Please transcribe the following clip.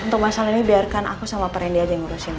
untuk masalah ini biarkan aku sama perendi aja ngurusin ya